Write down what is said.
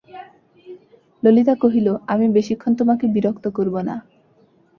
ললিতা কহিল, আমি বেশিক্ষণ তোমাকে বিরক্ত করব না।